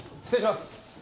失礼します。